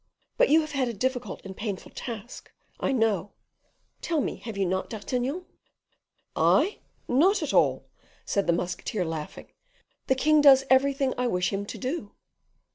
But you have had a difficult and painful task, I know. Tell me, have you not, D'Artagnan?" "I? not at all," said the musketeer, laughing: "the king does everything I wish him to do."